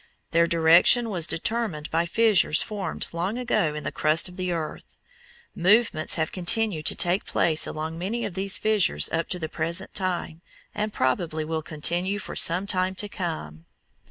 Their direction was determined by fissures formed long ago in the crust of the earth. Movements have continued to take place along many of these fissures up to the present time, and probably will continue for some time to come.